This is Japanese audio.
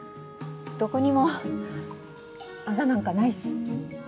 どこにもアザなんかないし。